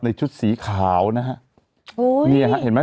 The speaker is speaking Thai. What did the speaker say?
ในชุดสีขาวนะฮะโอ้ยนี่ฮะเห็นมั้ย